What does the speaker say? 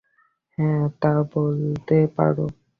হ্যাঁ, তা বলতে পারো।